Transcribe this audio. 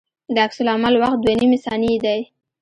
د عکس العمل وخت دوه نیمې ثانیې دی